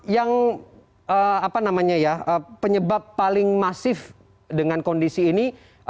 yang apa namanya ya penyebab paling masif dengan kondisi ini